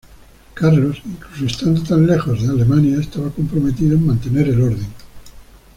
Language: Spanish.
Carlos, incluso estando tan lejos de Alemania, estaba comprometido en mantener el orden.